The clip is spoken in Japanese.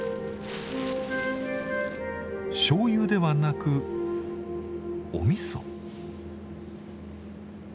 しょうゆではなくおみそ。